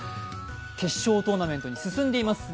決勝トーナメントに進んでいます。